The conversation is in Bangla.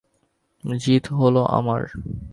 জিত হল আমার।